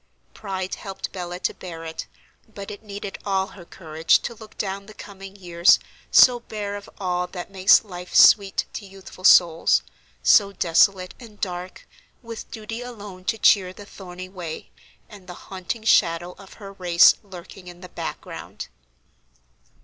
Pride helped Bella to bear it; but it needed all her courage to look down the coming years so bare of all that makes life sweet to youthful souls, so desolate and dark, with duty alone to cheer the thorny way, and the haunting shadow of her race lurking in the background.